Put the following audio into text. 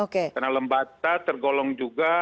karena lembata tergolong juga